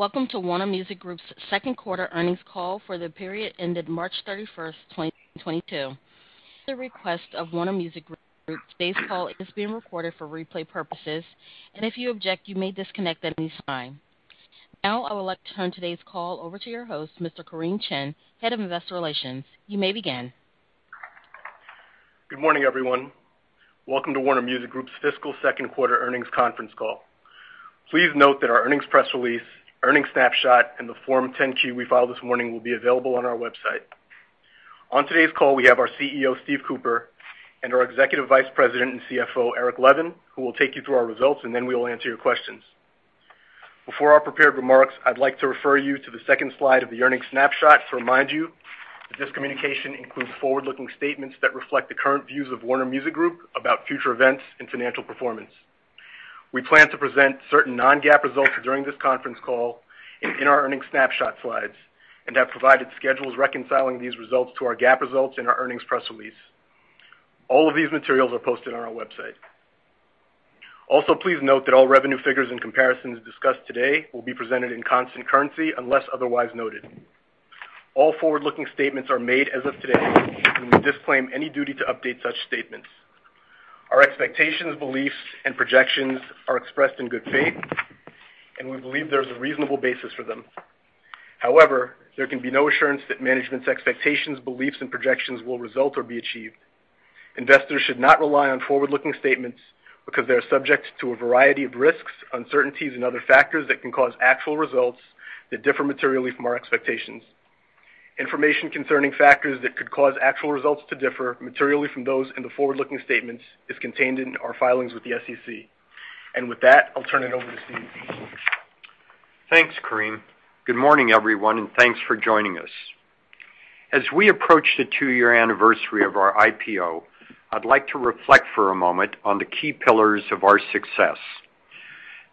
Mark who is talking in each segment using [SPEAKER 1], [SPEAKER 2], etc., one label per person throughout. [SPEAKER 1] Welcome to Warner Music Group's second quarter earnings call for the period ended March 31st, 2022. At the request of Warner Music Group, today's call is being recorded for replay purposes, and if you object, you may disconnect at any time. Now, I would like to turn today's call over to your host, Mr. Kareem Chin, Head of Investor Relations. You may begin.
[SPEAKER 2] Good morning, everyone. Welcome to Warner Music Group's fiscal second quarter earnings conference call. Please note that our earnings press release, earnings snapshot, and the Form 10-Q we filed this morning will be available on our website. On today's call, we have our CEO, Steve Cooper, and our Executive Vice President and CFO, Eric Levin, who will take you through our results, and then we will answer your questions. Before our prepared remarks, I'd like to refer you to the second slide of the earnings snapshot to remind you that this communication includes forward-looking statements that reflect the current views of Warner Music Group about future events and financial performance. We plan to present certain non-GAAP results during this conference call and in our earnings snapshot slides, and have provided schedules reconciling these results to our GAAP results in our earnings press release. All of these materials are posted on our website. Also, please note that all revenue figures and comparisons discussed today will be presented in constant currency unless otherwise noted. All forward-looking statements are made as of today, and we disclaim any duty to update such statements. Our expectations, beliefs, and projections are expressed in good faith, and we believe there's a reasonable basis for them. However, there can be no assurance that management's expectations, beliefs, and projections will result or be achieved. Investors should not rely on forward-looking statements because they are subject to a variety of risks, uncertainties, and other factors that can cause actual results that differ materially from our expectations. Information concerning factors that could cause actual results to differ materially from those in the forward-looking statements is contained in our filings with the SEC. With that, I'll turn it over to Steve.
[SPEAKER 3] Thanks, Kareem. Good morning, everyone, and thanks for joining us. As we approach the two-year anniversary of our IPO, I'd like to reflect for a moment on the key pillars of our success.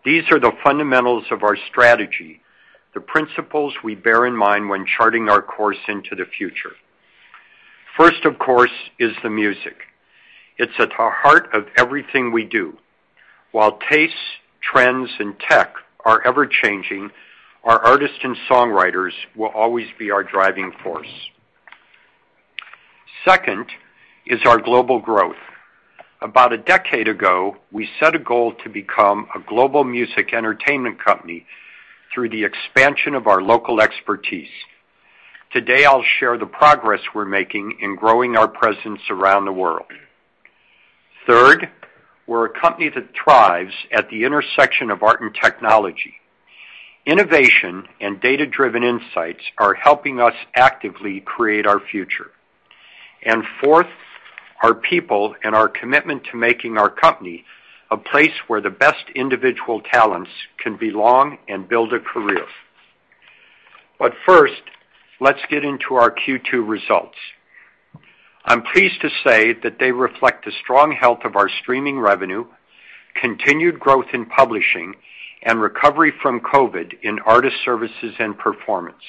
[SPEAKER 3] These are the fundamentals of our strategy, the principles we bear in mind when charting our course into the future. First, of course, is the music. It's at the heart of everything we do. While tastes, trends, and tech are ever-changing, our artists and songwriters will always be our driving force. Second is our global growth. About a decade ago, we set a goal to become a global music entertainment company through the expansion of our local expertise. Today, I'll share the progress we're making in growing our presence around the world. Third, we're a company that thrives at the intersection of art and technology. Innovation and data-driven insights are helping us actively create our future. Fourth, our people and our commitment to making our company a place where the best individual talents can belong and build a career. First, let's get into our Q2 results. I'm pleased to say that they reflect the strong health of our streaming revenue, continued growth in publishing, and recovery from COVID in artist services and performance.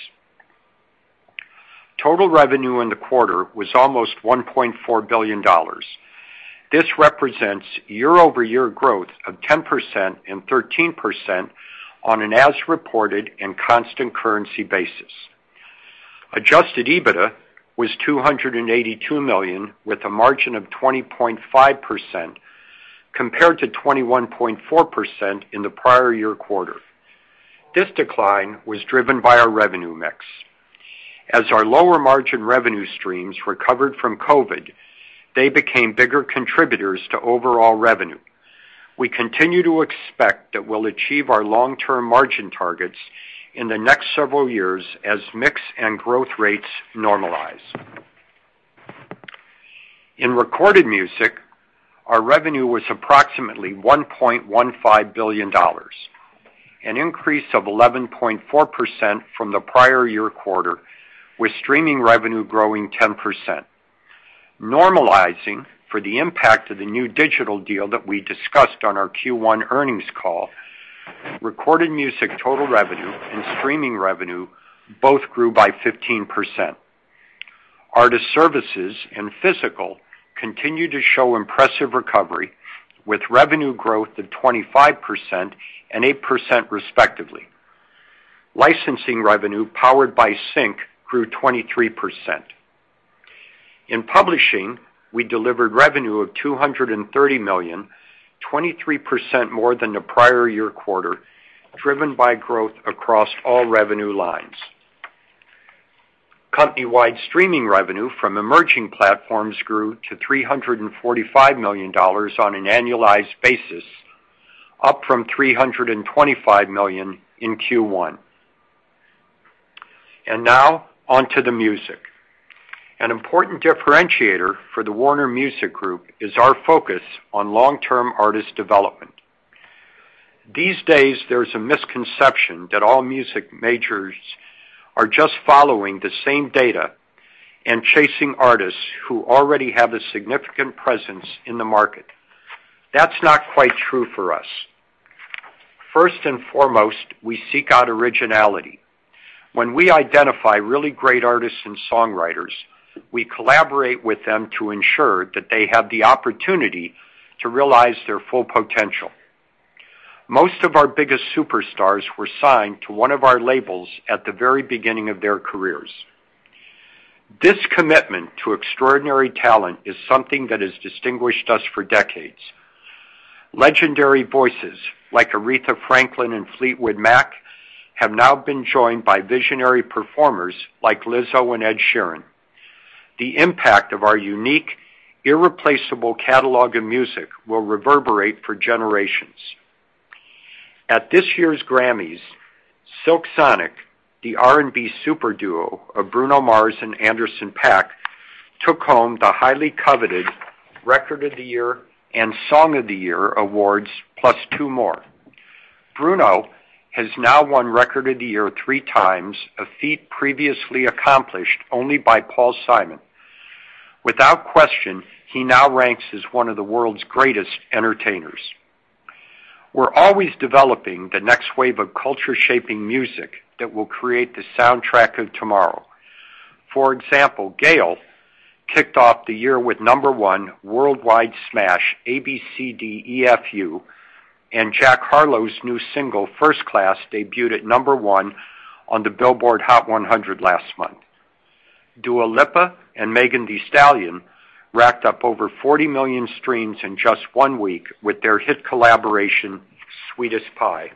[SPEAKER 3] Total revenue in the quarter was almost $1.4 billion. This represents year-over-year growth of 10% and 13% on an as-reported and constant currency basis. Adjusted EBITDA was $282 million with a margin of 20.5% compared to 21.4% in the prior year quarter. This decline was driven by our revenue mix. As our lower margin revenue streams recovered from COVID, they became bigger contributors to overall revenue. We continue to expect that we'll achieve our long-term margin targets in the next several years as mix and growth rates normalize. In recorded music, our revenue was approximately $1.15 billion, an increase of 11.4% from the prior year quarter, with streaming revenue growing 10%. Normalizing for the impact of the new digital deal that we discussed on our Q1 earnings call, recorded music total revenue and streaming revenue both grew by 15%. Artist services and physical continued to show impressive recovery with revenue growth of 25% and 8% respectively. Licensing revenue powered by Sync grew 23%. In publishing, we delivered revenue of $230 million, 23% more than the prior year quarter, driven by growth across all revenue lines. Company-wide streaming revenue from emerging platforms grew to $345 million on an annualized basis, up from $325 million in Q1. Now, on to the music. An important differentiator for the Warner Music Group is our focus on long-term artist development. These days, there's a misconception that all music majors are just following the same data and chasing artists who already have a significant presence in the market. That's not quite true for us. First and foremost, we seek out originality. When we identify really great artists and songwriters, we collaborate with them to ensure that they have the opportunity to realize their full potential. Most of our biggest superstars were signed to one of our labels at the very beginning of their careers. This commitment to extraordinary talent is something that has distinguished us for decades. Legendary voices like Aretha Franklin and Fleetwood Mac have now been joined by visionary performers like Lizzo and Ed Sheeran. The impact of our unique, irreplaceable catalog of music will reverberate for generations. At this year's Grammys, Silk Sonic, the R&B super duo of Bruno Mars and Anderson .Paak, took home the highly coveted Record of the Year and Song of the Year awards, plus two more. Bruno has now won Record of the Year three times, a feat previously accomplished only by Paul Simon. Without question, he now ranks as one of the world's greatest entertainers. We're always developing the next wave of culture-shaping music that will create the soundtrack of tomorrow. For example, GAYLE kicked off the year with No. 1 worldwide smash ABCDEFU, and Jack Harlow's new single, First Class, debuted at No. 1 on the Billboard Hot 100 last month. Dua Lipa and Megan Thee Stallion racked up over 40 million streams in just one week with their hit collaboration, Sweetest Pie.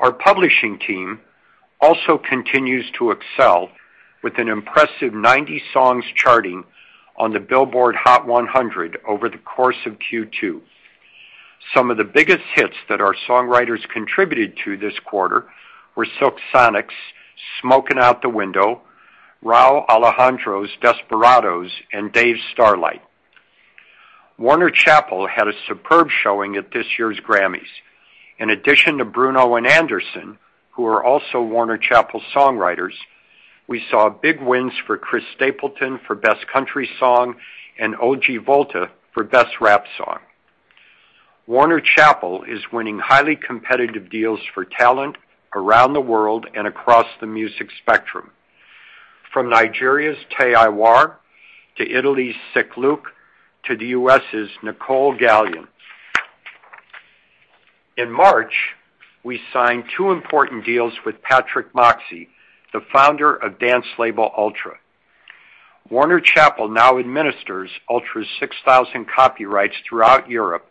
[SPEAKER 3] Our publishing team also continues to excel with an impressive 90 songs charting on the Billboard Hot 100 over the course of Q2. Some of the biggest hits that our songwriters contributed to this quarter were Silk Sonic's Smokin' Out The Window, Rauw Alejandro's Desesperados, and Dave's Starlight. Warner Chappell had a superb showing at this year's Grammys. In addition to Bruno and Anderson, who are also Warner Chappell songwriters, we saw big wins for Chris Stapleton for Best Country Song and Ojivolta for Best Rap Song. Warner Chappell is winning highly competitive deals for talent around the world and across the music spectrum, from Nigeria's Tems to Italy's Sick Luke to the U.S.'s Nicolle Galyon. In March, we signed two important deals with Patrick Moxey, the founder of dance label Ultra. Warner Chappell now administers Ultra's 6,000 copyrights throughout Europe,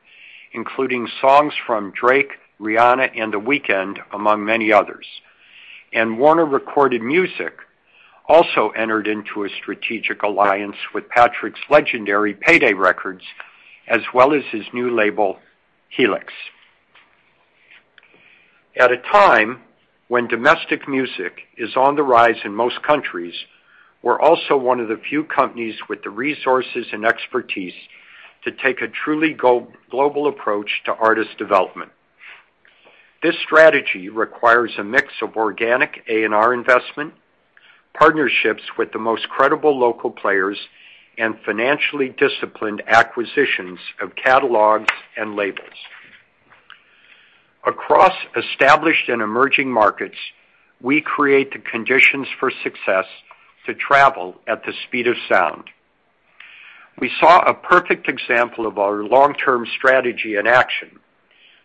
[SPEAKER 3] including songs from Drake, Rihanna, and The Weeknd, among many others. Warner Recorded Music also entered into a strategic alliance with Patrick's legendary Payday Records, as well as his new label, Helix. At a time when domestic music is on the rise in most countries, we're also one of the few companies with the resources and expertise to take a truly go-global approach to artist development. This strategy requires a mix of organic A&R investment, partnerships with the most credible local players, and financially disciplined acquisitions of catalogs and labels. Across established and emerging markets, we create the conditions for success to travel at the speed of sound. We saw a perfect example of our long-term strategy in action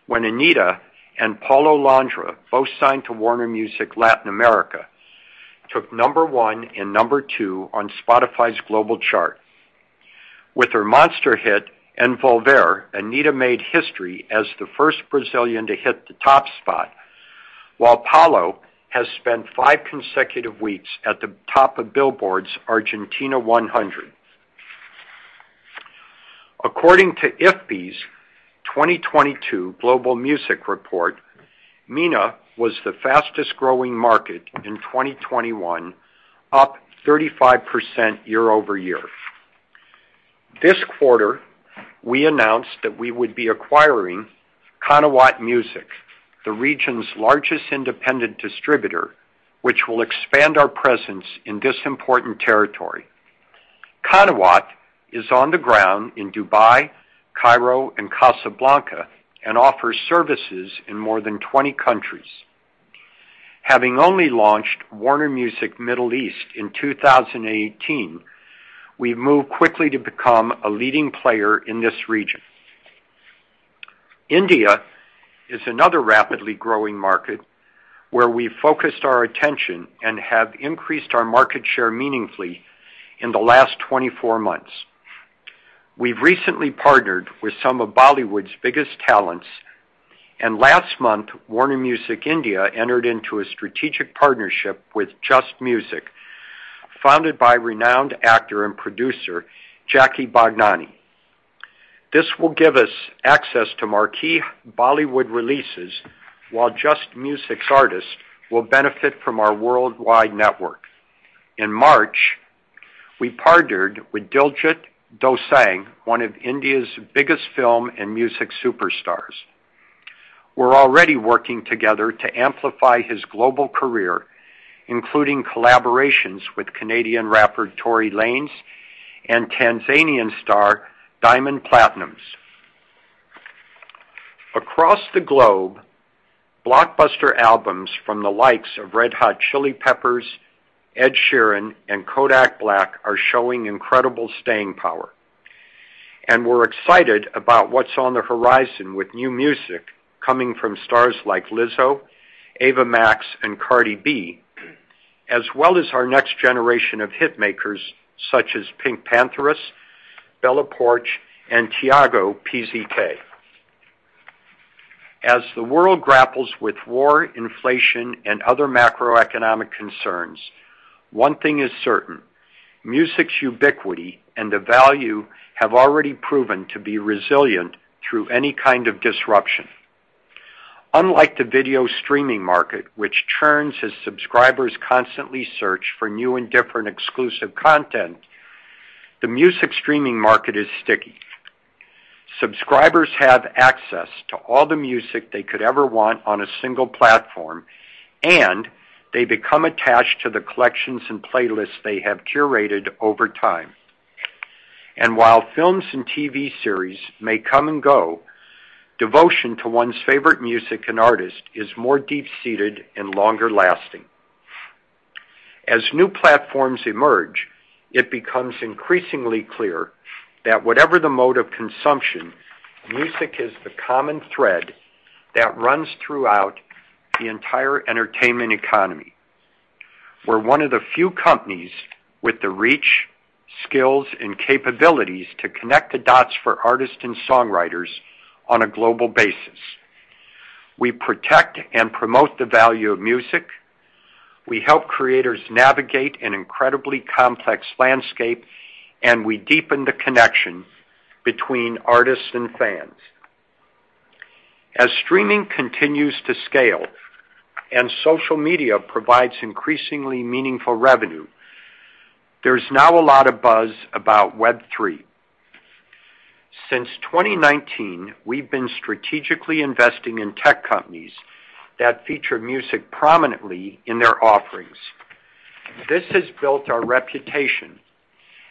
[SPEAKER 3] when Anitta and Paulo Londra, both signed to Warner Music Latin America, took number one and number two on Spotify's global chart. With her monster hit, Envolver, Anitta made history as the first Brazilian to hit the top spot, while Paulo has spent five consecutive weeks at the top of Billboard's Argentina 100. According to IFPI's 2022 Global Music Report, MENA was the fastest-growing market in 2021, up 35% year over year. This quarter, we announced that we would be acquiring Qanawat Music, the region's largest independent distributor, which will expand our presence in this important territory. Qanawat is on the ground in Dubai, Cairo, and Casablanca and offers services in more than 20 countries. Having only launched Warner Music Middle East in 2018, we've moved quickly to become a leading player in this region. India is another rapidly growing market where we focused our attention and have increased our market share meaningfully in the last 24 months. We've recently partnered with some of Bollywood's biggest talents, and last month, Warner Music India entered into a strategic partnership with Jjust Music, founded by renowned actor and producer Jackky Bhagnani. This will give us access to marquee Bollywood releases, while Jjust Music's artists will benefit from our worldwide network. In March, we partnered with Diljit Dosanjh, one of India's biggest film and music superstars. We're already working together to amplify his global career, including collaborations with Canadian rapper Tory Lanez and Tanzanian star Diamond Platnumz. Across the globe, blockbuster albums from the likes of Red Hot Chili Peppers, Ed Sheeran, and Kodak Black are showing incredible staying power. We're excited about what's on the horizon with new music coming from stars like Lizzo, Ava Max, and Cardi B, as well as our next generation of hitmakers such as PinkPantheress, Bella Poarch, and Tiago PZK. As the world grapples with war, inflation, and other macroeconomic concerns, one thing is certain, music's ubiquity and the value have already proven to be resilient through any kind of disruption. Unlike the video streaming market, which churns as subscribers constantly search for new and different exclusive content, the music streaming market is sticky. Subscribers have access to all the music they could ever want on a single platform, and they become attached to the collections and playlists they have curated over time. While films and TV series may come and go, devotion to one's favorite music and artist is more deep-seated and longer-lasting. As new platforms emerge, it becomes increasingly clear that whatever the mode of consumption, music is the common thread that runs throughout the entire entertainment economy. We're one of the few companies with the reach, skills, and capabilities to connect the dots for artists and songwriters on a global basis. We protect and promote the value of music. We help creators navigate an incredibly complex landscape, and we deepen the connection between artists and fans. As streaming continues to scale and social media provides increasingly meaningful revenue, there's now a lot of buzz about Web3. Since 2019, we've been strategically investing in tech companies that feature music prominently in their offerings. This has built our reputation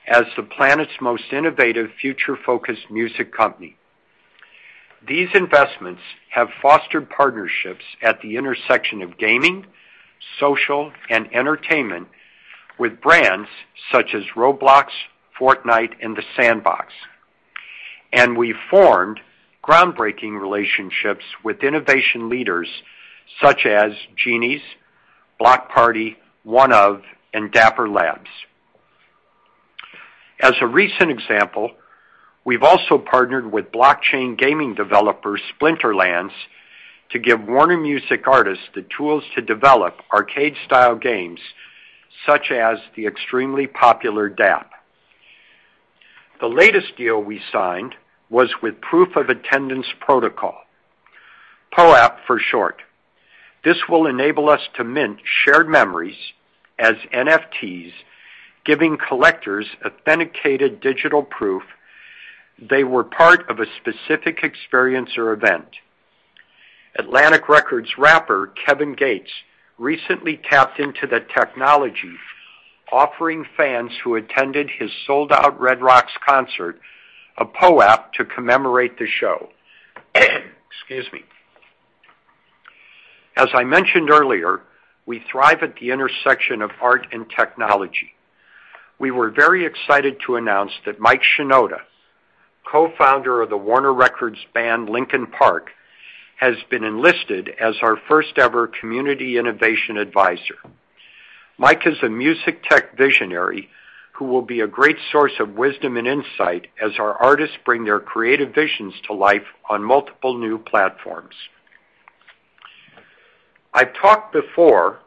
[SPEAKER 3] as the planet's most innovative, future-focused music company. These investments have fostered partnerships at the intersection of gaming, social, and entertainment with brands such as Roblox, Fortnite, and The Sandbox. We formed groundbreaking relationships with innovation leaders such as Genies, Blockparty, OneOf, and Dapper Labs. As a recent example, we've also partnered with blockchain gaming developer Splinterlands to give Warner Music artists the tools to develop arcade-style games such as the extremely popular dapp. The latest deal we signed was with Proof of Attendance Protocol, POAP for short. This will enable us to mint shared memories as NFTs, giving collectors authenticated digital proof they were part of a specific experience or event. Atlantic Records rapper Kevin Gates recently tapped into the technology, offering fans who attended his sold-out Red Rocks concert a POAP to commemorate the show. Excuse me. As I mentioned earlier, we thrive at the intersection of art and technology. We were very excited to announce that Mike Shinoda, co-founder of the Warner Records band Linkin Park, has been enlisted as our first-ever community innovation advisor. Mike is a music tech visionary who will be a great source of wisdom and insight as our artists bring their creative visions to life on multiple new platforms. I've talked before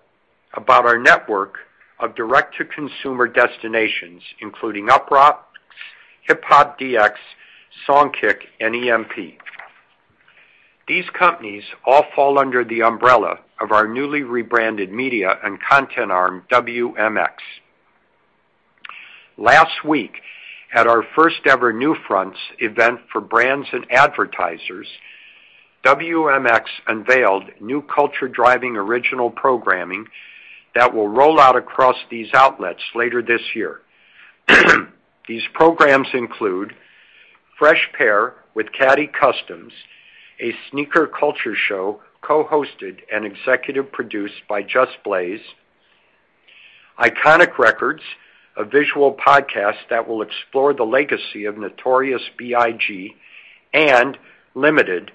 [SPEAKER 3] about our network of direct-to-consumer destinations, including UPROXX, Songkick, and EMP. These companies all fall under the umbrella of our newly rebranded media and content arm, WMX. Last week, at our first-ever NewFronts event for brands and advertisers, WMX unveiled new culture-driving original programming that will roll out across these outlets later this year. These programs include Fresh Pair with Katty Customs, a sneaker culture show co-hosted and executive produced by Just Blaze. Iconic Records, a visual podcast that will explore the legacy of Notorious B.I.G. And Limited,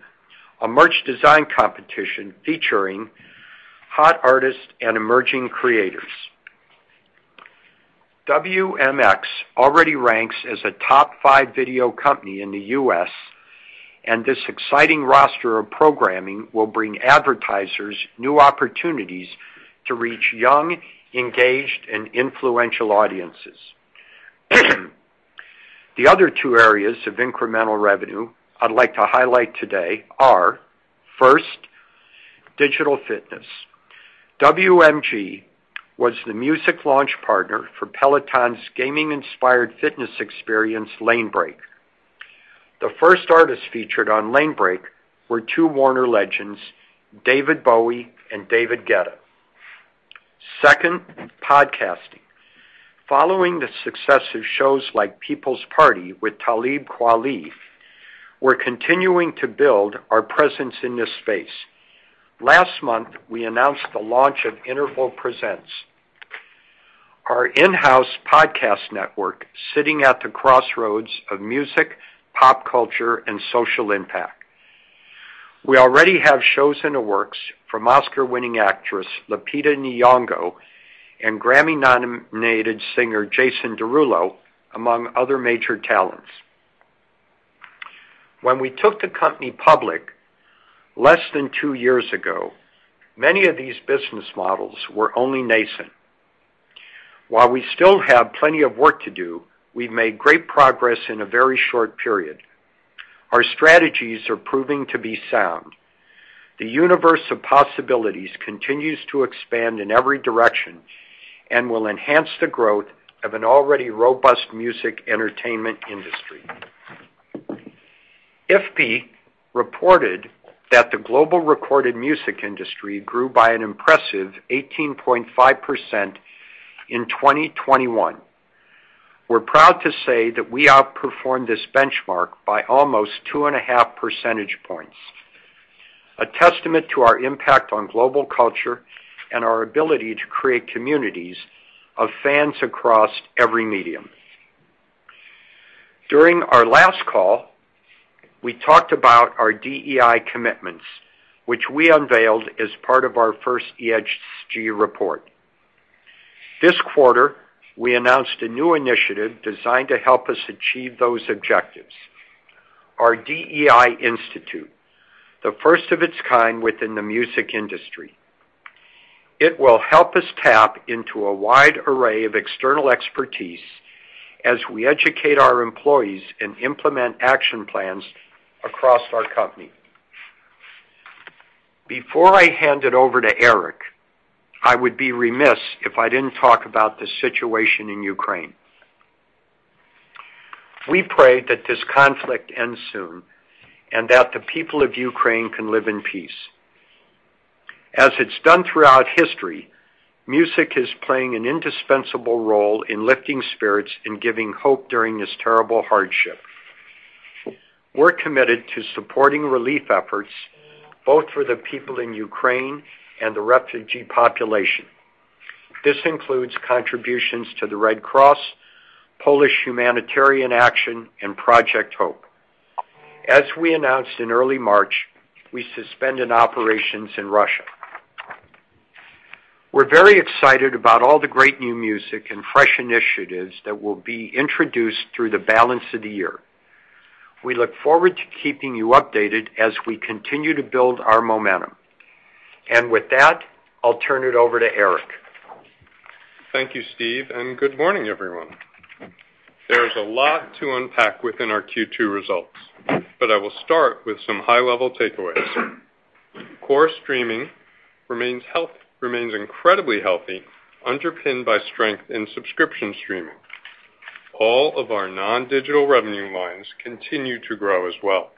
[SPEAKER 3] a merch design competition featuring hot artists and emerging creators. WMX already ranks as a top five video company in the U.S., and this exciting roster of programming will bring advertisers new opportunities to reach young, engaged, and influential audiences. The other two areas of incremental revenue I'd like to highlight today are, first, digital fitness. WMG was the music launch partner for Peloton's gaming-inspired fitness experience, Lanebreak. The first artists featured on Lanebreak were two Warner legends, David Bowie and David Guetta. Second, podcasting. Following the success of shows like People's Party with Talib Kweli, we're continuing to build our presence in this space. Last month, we announced the launch of Interval Presents, our in-house podcast network sitting at the crossroads of music, pop culture, and social impact. We already have shows in the works from Oscar-winning actress Lupita Nyong'o and Grammy-nominated singer Jason Derulo, among other major talents. When we took the company public less than two years ago, many of these business models were only nascent. While we still have plenty of work to do, we've made great progress in a very short period. Our strategies are proving to be sound. The universe of possibilities continues to expand in every direction and will enhance the growth of an already robust music entertainment industry. IFPI reported that the global recorded music industry grew by an impressive 18.5% in 2021. We're proud to say that we outperformed this benchmark by almost 2.5% points, a testament to our impact on global culture and our ability to create communities of fans across every medium. During our last call, we talked about our DEI commitments, which we unveiled as part of our first ESG report. This quarter, we announced a new initiative designed to help us achieve those objectives, our DEI Institute, the first of its kind within the music industry. It will help us tap into a wide array of external expertise as we educate our employees and implement action plans across our company. Before I hand it over to Eric, I would be remiss if I didn't talk about the situation in Ukraine. We pray that this conflict ends soon and that the people of Ukraine can live in peace. As it's done throughout history, music is playing an indispensable role in lifting spirits and giving hope during this terrible hardship. We're committed to supporting relief efforts both for the people in Ukraine and the refugee population. This includes contributions to the Red Cross, Polish Humanitarian Action, and Project HOPE. As we announced in early March, we suspended operations in Russia. We're very excited about all the great new music and fresh initiatives that will be introduced through the balance of the year. We look forward to keeping you updated as we continue to build our momentum. With that, I'll turn it over to Eric.
[SPEAKER 4] Thank you, Steve, and good morning, everyone. There's a lot to unpack within our Q2 results, but I will start with some high-level takeaways. Core streaming remains incredibly healthy, underpinned by strength in subscription streaming. All of our non-digital revenue lines continue to grow as well.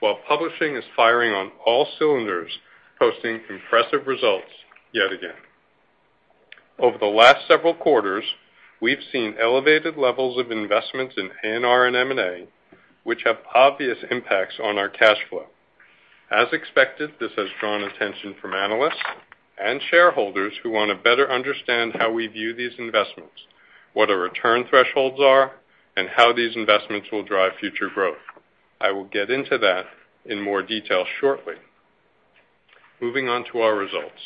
[SPEAKER 4] While publishing is firing on all cylinders, posting impressive results yet again. Over the last several quarters, we've seen elevated levels of investments in A&R and M&A, which have obvious impacts on our cash flow. As expected, this has drawn attention from analysts and shareholders who want to better understand how we view these investments, what our return thresholds are, and how these investments will drive future growth. I will get into that in more detail shortly. Moving on to our results.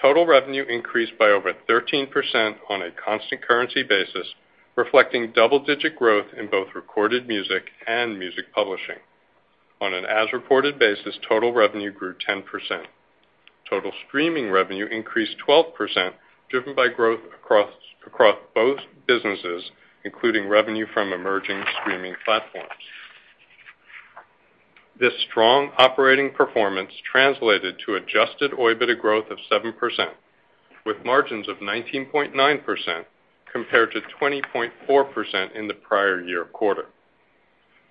[SPEAKER 4] Total revenue increased by over 13% on a constant currency basis, reflecting double-digit growth in both recorded music and music publishing. On an as-reported basis, total revenue grew 10%. Total streaming revenue increased 12%, driven by growth across both businesses, including revenue from emerging streaming platforms. This strong operating performance translated to adjusted OIBDA growth of 7%, with margins of 19.9% compared to 20.4% in the prior year quarter.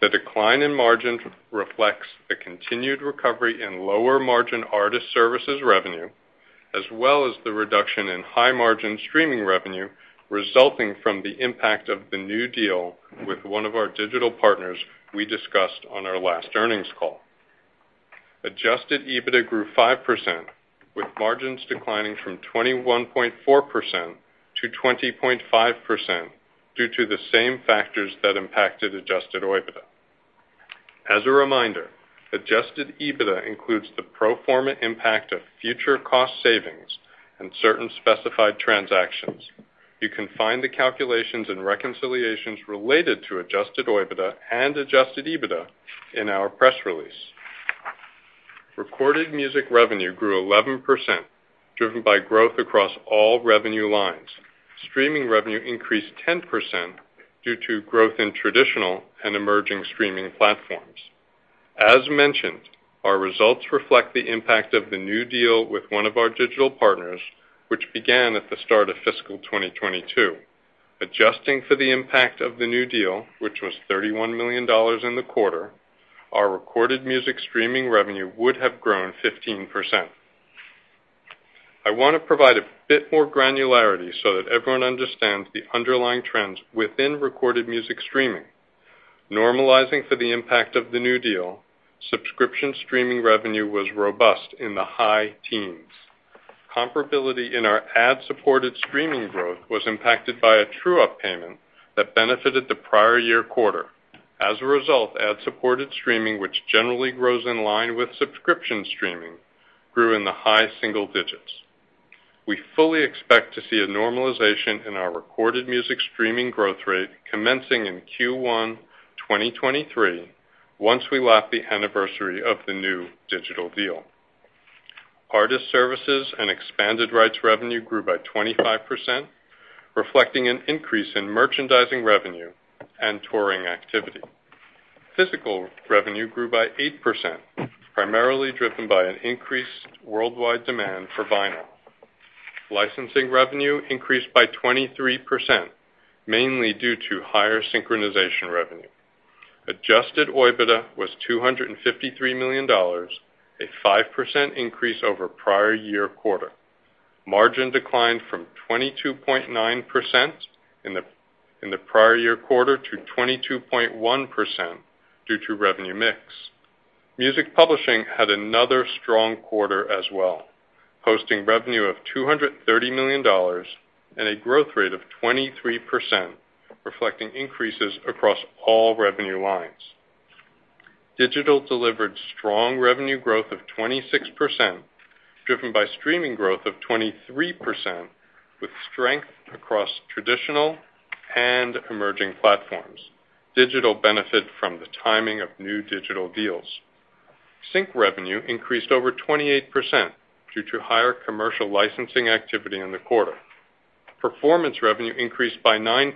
[SPEAKER 4] The decline in margin reflects the continued recovery in lower-margin artist services revenue, as well as the reduction in high-margin streaming revenue resulting from the impact of the new deal with one of our digital partners we discussed on our last earnings call. Adjusted EBITDA grew 5%, with margins declining from 21.4% to 20.5% due to the same factors that impacted adjusted OIBDA. As a reminder, adjusted EBITDA includes the pro forma impact of future cost savings and certain specified transactions. You can find the calculations and reconciliations related to adjusted OIBDA and adjusted EBITDA in our press release. Recorded music revenue grew 11%, driven by growth across all revenue lines. Streaming revenue increased 10% due to growth in traditional and emerging streaming platforms. As mentioned, our results reflect the impact of the new deal with one of our digital partners, which began at the start of fiscal 2022. Adjusting for the impact of the new deal, which was $31 million in the quarter, our recorded music streaming revenue would have grown 15%. I wanna provide a bit more granularity so that everyone understands the underlying trends within recorded music streaming. Normalizing for the impact of the new deal, subscription streaming revenue was robust in the high teens%. Comparability in our ad-supported streaming growth was impacted by a true-up payment that benefited the prior year quarter. As a result, ad-supported streaming, which generally grows in line with subscription streaming, grew in the high single digits. We fully expect to see a normalization in our recorded music streaming growth rate commencing in Q1 2023, once we lap the anniversary of the new digital deal. Artist services and expanded rights revenue grew by 25%, reflecting an increase in merchandising revenue and touring activity. Physical revenue grew by 8%, primarily driven by an increased worldwide demand for vinyl. Licensing revenue increased by 23%, mainly due to higher synchronization revenue. Adjusted OIBDA was $253 million, a 5% increase over prior year quarter. Margin declined from 22.9% in the prior year quarter to 22.1% due to revenue mix. Music publishing had another strong quarter as well, posting revenue of $230 million and a growth rate of 23%, reflecting increases across all revenue lines. Digital delivered strong revenue growth of 26%, driven by streaming growth of 23%, with strength across traditional and emerging platforms. Digital benefited from the timing of new digital deals. Sync revenue increased over 28% due to higher commercial licensing activity in the quarter. Performance revenue increased by 9%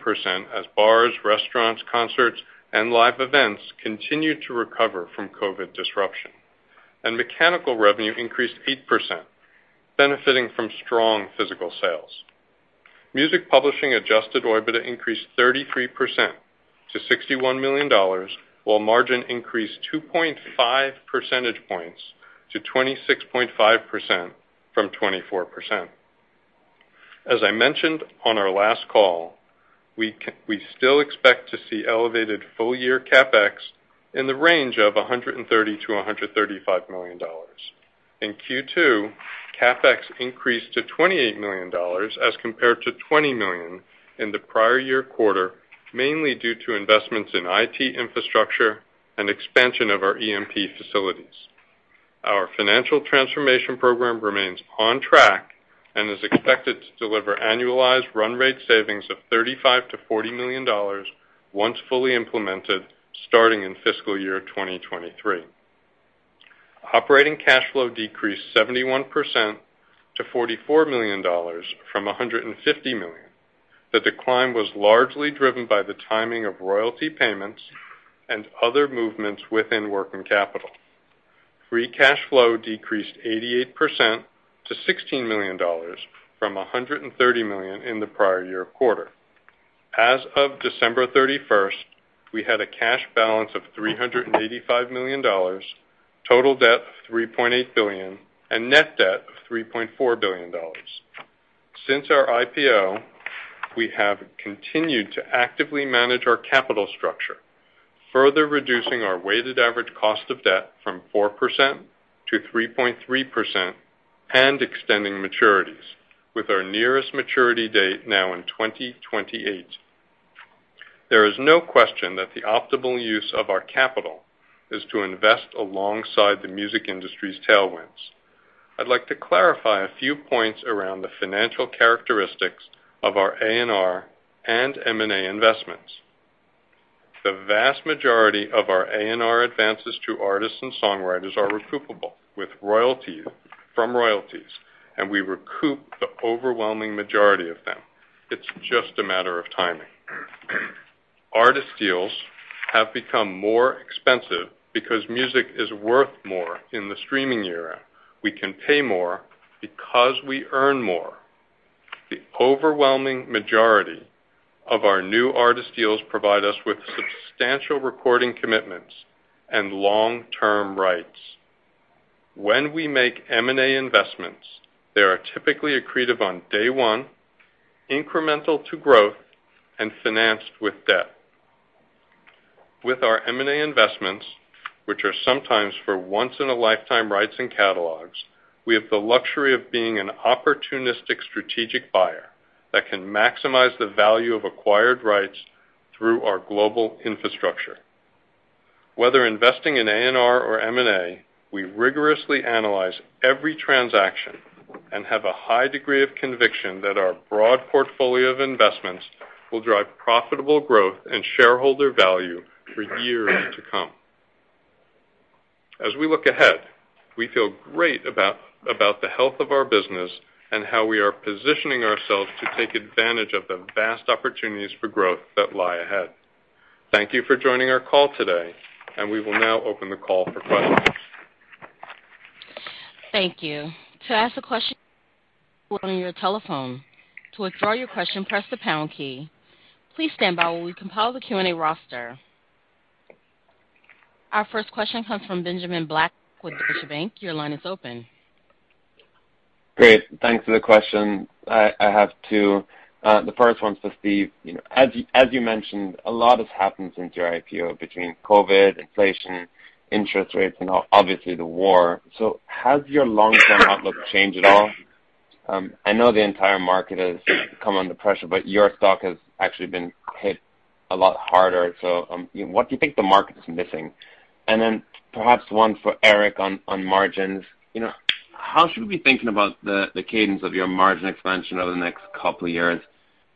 [SPEAKER 4] as bars, restaurants, concerts, and live events continued to recover from COVID disruption. Mechanical revenue increased 8%, benefiting from strong physical sales. Music publishing adjusted OIBDA increased 33% to $61 million, while margin increased 2.5% points to 26.5% from 24%. As I mentioned on our last call, we still expect to see elevated full-year CapEx in the range of $130 million-$135 million. In Q2, CapEx increased to $28 million as compared to $20 million in the prior year quarter, mainly due to investments in IT infrastructure and expansion of our EMP facilities. Our financial transformation program remains on track and is expected to deliver annualized run rate savings of $35 million-$40 million once fully implemented starting in fiscal year 2023. Operating cash flow decreased 71% to $44 million from $150 million. The decline was largely driven by the timing of royalty payments and other movements within working capital. Free cash flow decreased 88% to $16 million from $130 million in the prior year quarter. As of December 31st, we had a cash balance of $385 million, total debt of $3.8 billion, and net debt of $3.4 billion. Since our IPO, we have continued to actively manage our capital structure, further reducing our weighted average cost of debt from 4% to 3.3% and extending maturities with our nearest maturity date now in 2028. There is no question that the optimal use of our capital is to invest alongside the music industry's tailwinds. I'd like to clarify a few points around the financial characteristics of our A&R and M&A investments. The vast majority of our A&R advances to artists and songwriters are recoupable from royalties, and we recoup the overwhelming majority of them. It's just a matter of timing. Artist deals have become more expensive because music is worth more in the streaming era. We can pay more because we earn more. The overwhelming majority of our new artist deals provide us with substantial recording commitments and long-term rights. When we make M&A investments, they are typically accretive on day one, incremental to growth, and financed with debt. With our M&A investments, which are sometimes for once-in-a-lifetime rights and catalogs, we have the luxury of being an opportunistic strategic buyer that can maximize the value of acquired rights through our global infrastructure. Whether investing in A&R or M&A, we rigorously analyze every transaction and have a high degree of conviction that our broad portfolio of investments will drive profitable growth and shareholder value for years to come. As we look ahead, we feel great about the health of our business and how we are positioning ourselves to take advantage of the vast opportunities for growth that lie ahead. Thank you for joining our call today, and we will now open the call for questions.
[SPEAKER 1] Thank you. To ask a question, on your telephone. To withdraw your question, press the pound key. Please stand by while we compile the Q&A roster. Our first question comes from Benjamin Black with Deutsche Bank. Your line is open.
[SPEAKER 5] Great. Thanks for the question. I have two. The first one's for Steve. You know, as you mentioned, a lot has happened since your IPO between COVID, inflation, interest rates, and obviously the war. Has your long-term outlook changed at all? I know the entire market has come under pressure, but your stock has actually been hit a lot harder. You know, what do you think the market is missing? Then perhaps one for Eric on margins. You know, how should we be thinking about the cadence of your margin expansion over the next couple of years?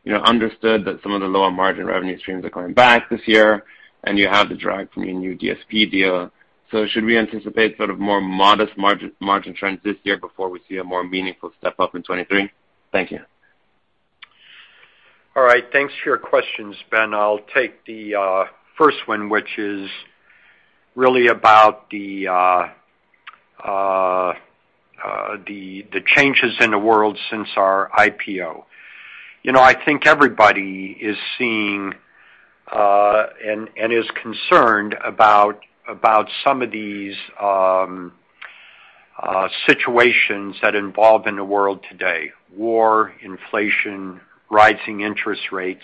[SPEAKER 5] You know, understood that some of the lower margin revenue streams are coming back this year, and you have the drag from your new DSP deal. Should we anticipate sort of more modest margin trends this year before we see a more meaningful step-up in 2023? Thank you.
[SPEAKER 3] All right. Thanks for your questions, Ben. I'll take the first one, which is really about the changes in the world since our IPO. You know, I think everybody is seeing and is concerned about some of these situations that involve in the world today, war, inflation, rising interest rates.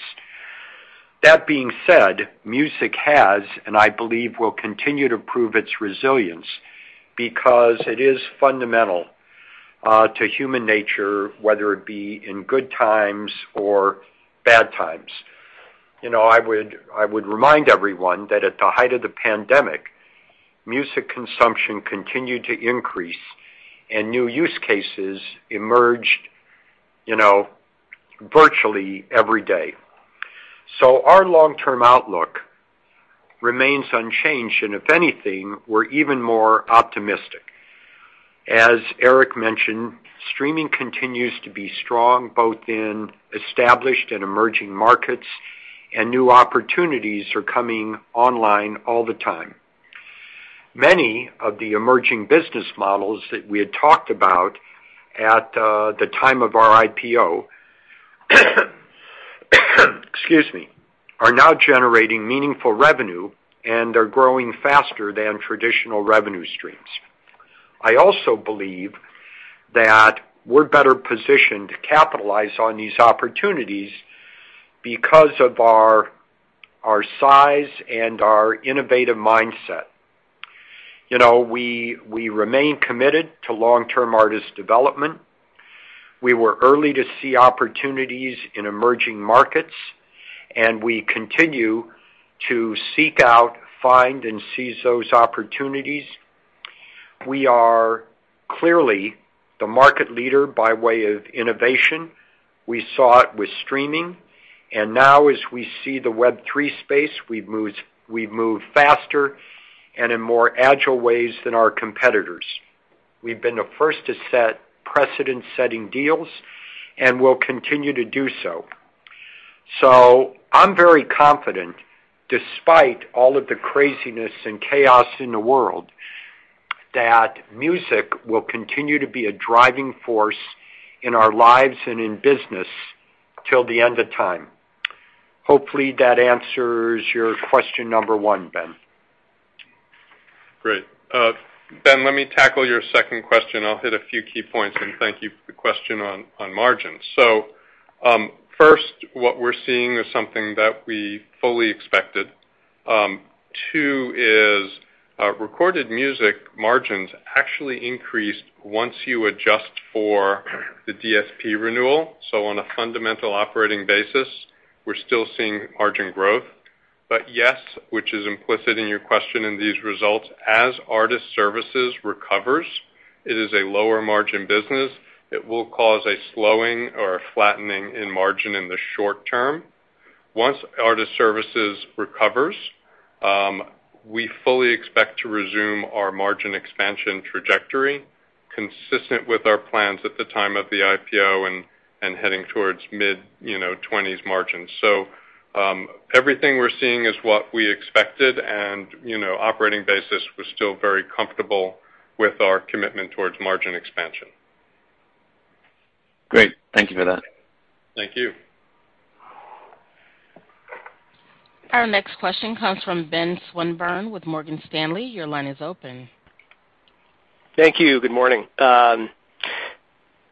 [SPEAKER 3] That being said, music has, and I believe will continue to prove its resilience because it is fundamental to human nature, whether it be in good times or bad times. You know, I would remind everyone that at the height of the pandemic, music consumption continued to increase and new use cases emerged, you know, virtually every day. Our long-term outlook remains unchanged, and if anything, we're even more optimistic. As Eric mentioned, streaming continues to be strong, both in established and emerging markets, and new opportunities are coming online all the time. Many of the emerging business models that we had talked about at the time of our IPO, excuse me, are now generating meaningful revenue and are growing faster than traditional revenue streams. I also believe that we're better positioned to capitalize on these opportunities because of our size and our innovative mindset. You know, we remain committed to long-term artist development. We were early to see opportunities in emerging markets, and we continue to seek out, find, and seize those opportunities. We are clearly the market leader by way of innovation. We saw it with streaming. Now as we see the Web3 space, we've moved faster and in more agile ways than our competitors. We've been the first to set precedent-setting deals, and we'll continue to do so. I'm very confident, despite all of the craziness and chaos in the world, that music will continue to be a driving force in our lives and in business till the end of time. Hopefully, that answers your question number one, Ben.
[SPEAKER 4] Great. Ben, let me tackle your second question. I'll hit a few key points, and thank you for the question on margins. First, what we're seeing is something that we fully expected. Two, recorded music margins actually increased once you adjust for the DSP renewal. On a fundamental operating basis, we're still seeing margin growth. Yes, which is implicit in your question in these results, as artist services recovers, it is a lower margin business. It will cause a slowing or a flattening in margin in the short term. Once artist services recovers, we fully expect to resume our margin expansion trajectory consistent with our plans at the time of the IPO and heading towards mid-20% margins, you know. Everything we're seeing is what we expected and, you know, operating basis, we're still very comfortable with our commitment towards margin expansion.
[SPEAKER 5] Great. Thank you for that.
[SPEAKER 4] Thank you.
[SPEAKER 1] Our next question comes from Ben Swinburne with Morgan Stanley. Your line is open.
[SPEAKER 6] Thank you. Good morning.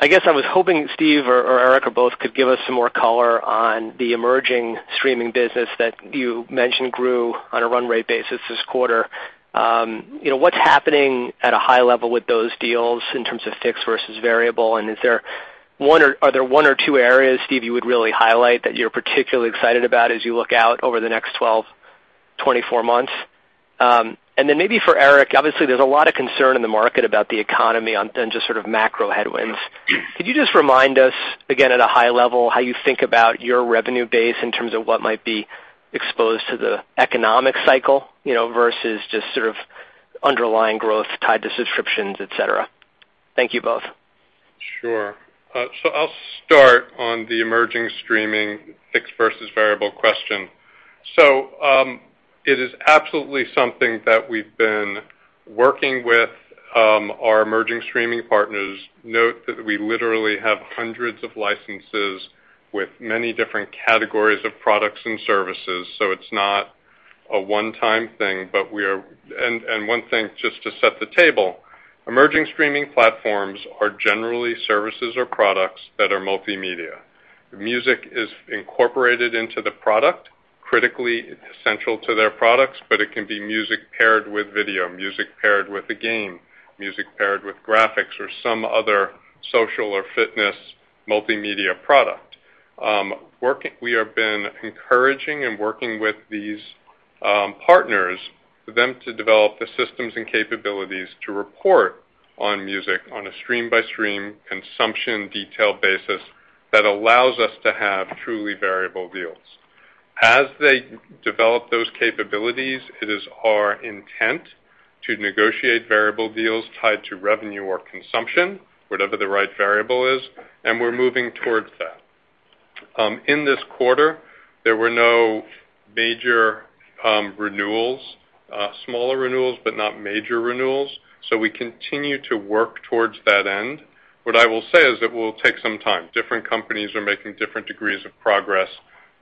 [SPEAKER 6] I guess I was hoping Steve or Eric or both could give us some more color on the emerging streaming business that you mentioned grew on a run rate basis this quarter. You know, what's happening at a high level with those deals in terms of fixed versus variable? And are there one or two areas, Steve, you would really highlight that you're particularly excited about as you look out over the next 12, 24 months? And then maybe for Eric, obviously there's a lot of concern in the market about the economy and just sort of macro headwinds. Could you just remind us again at a high level how you think about your revenue base in terms of what might be exposed to the economic cycle, you know, versus just sort of underlying growth tied to subscriptions, et cetera? Thank you both.
[SPEAKER 4] Sure. I'll start on the emerging streaming fixed versus variable question. It is absolutely something that we've been working with our emerging streaming partners. Note that we literally have hundreds of licenses with many different categories of products and services, so it's not a one-time thing. One thing, just to set the table, emerging streaming platforms are generally services or products that are multimedia. Music is incorporated into the product, critically essential to their products, but it can be music paired with video, music paired with a game, music paired with graphics or some other social or fitness multimedia product. We have been encouraging and working with these partners for them to develop the systems and capabilities to report on music on a stream-by-stream consumption detail basis that allows us to have truly variable deals. As they develop those capabilities, it is our intent to negotiate variable deals tied to revenue or consumption, whatever the right variable is, and we're moving towards that. In this quarter, there were no major renewals. Smaller renewals, but not major renewals, so we continue to work towards that end. What I will say is it will take some time. Different companies are making different degrees of progress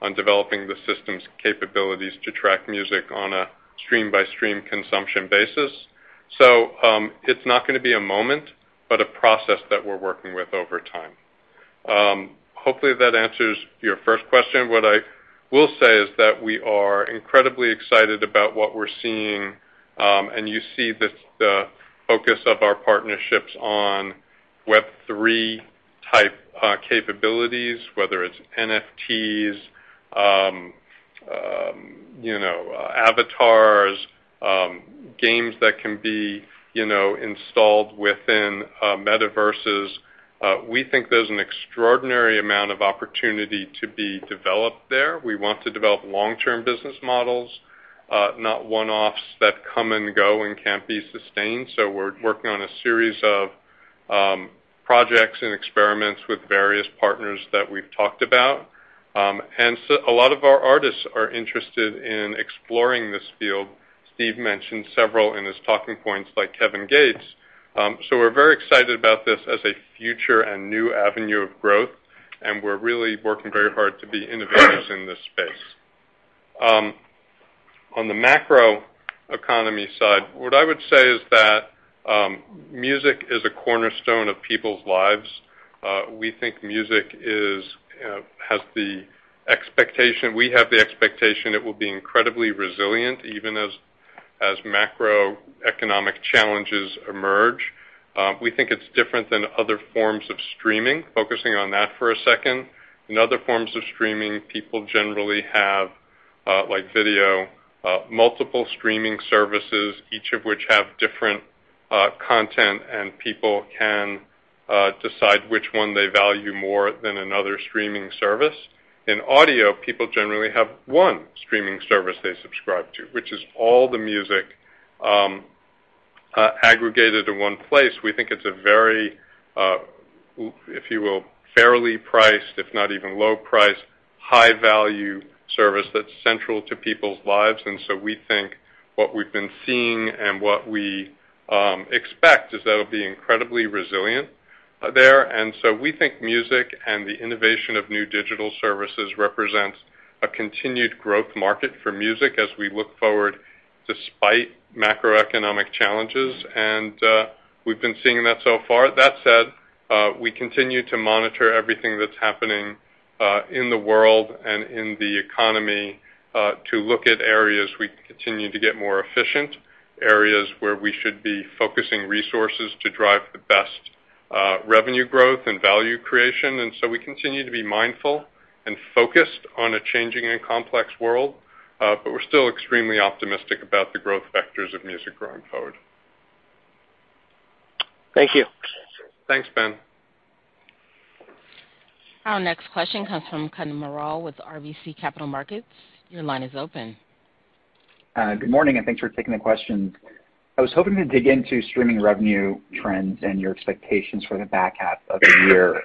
[SPEAKER 4] on developing the system's capabilities to track music on a stream-by-stream consumption basis. It's not gonna be a moment, but a process that we're working with over time. Hopefully that answers your first question. What I will say is that we are incredibly excited about what we're seeing, and you see this, the focus of our partnerships on Web3 type capabilities, whether it's NFTs, you know, avatars, games that can be, you know, installed within metaverses. We think there's an extraordinary amount of opportunity to be developed there. We want to develop long-term business models, not one-offs that come and go and can't be sustained. We're working on a series of projects and experiments with various partners that we've talked about. A lot of our artists are interested in exploring this field. Steve mentioned several in his talking points, like Kevin Gates. We're very excited about this as a future and new avenue of growth, and we're really working very hard to be innovators in this space. On the macroeconomy side, what I would say is that music is a cornerstone of people's lives. We have the expectation it will be incredibly resilient, even as macroeconomic challenges emerge. We think it's different than other forms of streaming. Focusing on that for a second. In other forms of streaming, people generally have, like video, multiple streaming services, each of which have different content, and people can decide which one they value more than another streaming service. In audio, people generally have one streaming service they subscribe to, which is all the music aggregated in one place. We think it's a very, if you will, fairly priced, if not even low priced, high value service that's central to people's lives. We think what we've been seeing and what we expect is that it'll be incredibly resilient there. We think music and the innovation of new digital services represents a continued growth market for music as we look forward, despite macroeconomic challenges. We've been seeing that so far. That said, we continue to monitor everything that's happening in the world and in the economy to look at areas we can continue to get more efficient, areas where we should be focusing resources to drive the best revenue growth and value creation. We continue to be mindful and focused on a changing and complex world, but we're still extremely optimistic about the growth vectors of music going forward.
[SPEAKER 6] Thank you.
[SPEAKER 4] Thanks, Ben.
[SPEAKER 1] Our next question comes from Kutgun Maral with RBC Capital Markets. Your line is open.
[SPEAKER 7] Good morning, and thanks for taking the question. I was hoping to dig into streaming revenue trends and your expectations for the back half of the year.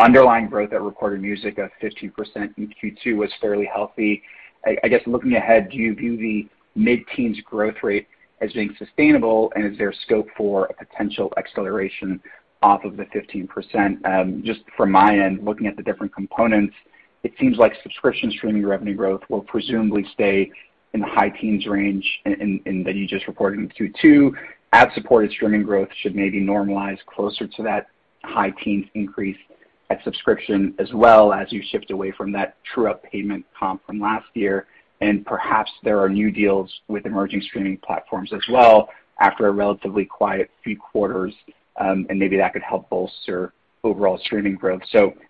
[SPEAKER 7] Underlying growth at recorded music of 15% in Q2 was fairly healthy. I guess looking ahead, do you view the mid-teens growth rate as being sustainable, and is there scope for a potential acceleration off of the 15%? Just from my end, looking at the different components, it seems like subscription streaming revenue growth will presumably stay in the high teens range in that you just reported in Q2. Ad-supported streaming growth should maybe normalize closer to that high teens increase at subscription as well as you shift away from that true-up payment comp from last year. Perhaps there are new deals with emerging streaming platforms as well after a relatively quiet few quarters, and maybe that could help bolster overall streaming growth.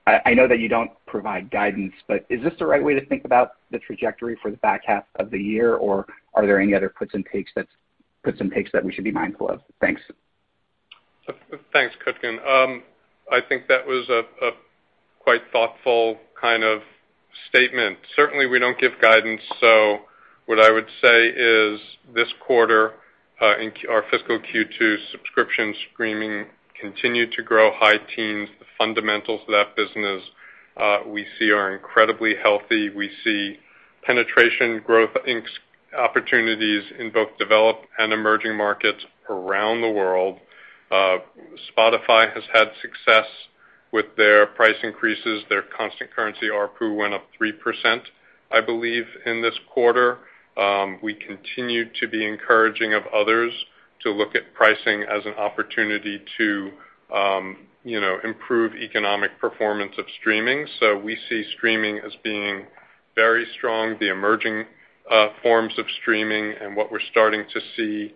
[SPEAKER 7] I know that you don't provide guidance, but is this the right way to think about the trajectory for the back half of the year, or are there any other puts and takes that we should be mindful of? Thanks.
[SPEAKER 4] Thanks, Kutgun. I think that was a quite thoughtful statement. Certainly, we don't give guidance, so what I would say is this quarter, in our fiscal Q2 subscription streaming continued to grow high teens%. The fundamentals of that business, we see are incredibly healthy. We see penetration growth opportunities in both developed and emerging markets around the world. Spotify has had success with their price increases. Their constant currency ARPU went up 3%, I believe, in this quarter. We continue to be encouraging of others to look at pricing as an opportunity to, you know, improve economic performance of streaming. We see streaming as being very strong. The emerging forms of streaming and what we're starting to see